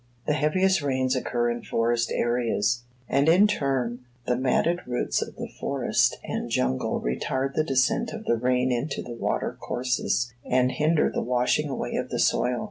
The heaviest rains occur in forest areas; and in turn, the matted roots of the forest and jungle retard the descent of the rain into the water courses, and hinder the washing away of the soil.